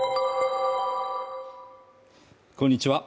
こんにちは